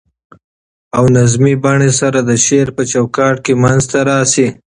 او نظمي بڼې سره د شعر په چو کاټ کي منځ ته راشي.